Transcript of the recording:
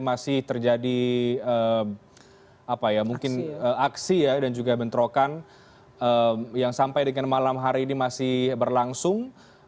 masih terjadi mungkin aksi ya dan juga bentrokan yang sampai dengan malam hari ini masih berlangsung